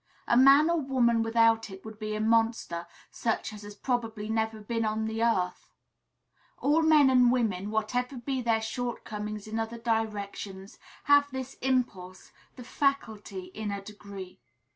A man or woman without it would be a monster, such as has probably never been on the earth. All men and women, whatever be their shortcomings in other directions, have this impulse, this faculty, in a degree.